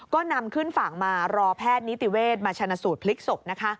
ก็นำขึ้นฝั่งมารอแพทย์นิติเวทมาชนะสูตรพลิกศพนะคะ